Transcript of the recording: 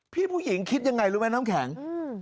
พี่ผู้หญิงคิดยังไงรู้ไหมน้ำแข็งอืม